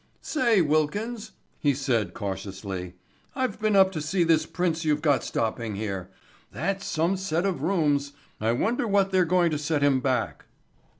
"Say, Wilkins," he said cautiously. "I've been up to see this prince you've got stopping here. That's some set of rooms. I wonder what they're going to set him back."